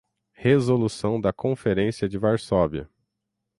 Resolução da Conferência de Varsóvia